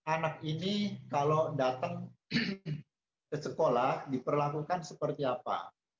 anak ini kalau datang ke sekolah diperlakukan seperti apa